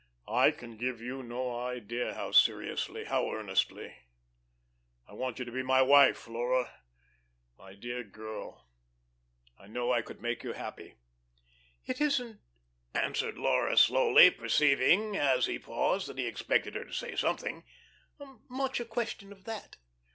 I can give you no idea how seriously, how earnestly. I want you to be my wife. Laura, my dear girl, I know I could make you happy." "It isn't," answered Laura slowly, perceiving as he paused that he expected her to say something, "much a question of that."